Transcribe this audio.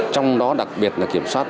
trong đó đặc biệt là kiểm soát